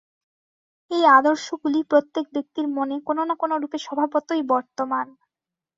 এই আদর্শগুলি প্রত্যেক ব্যক্তির মনে কোন না কোনরূপে স্বভাবতই বর্তমান।